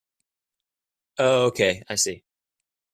Oh okay, I see.